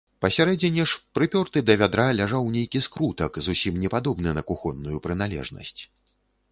Пасярэдзіне ж, прыпёрты да вядра, ляжаў нейкі скрутак, зусім не падобны на кухонную прыналежнасць.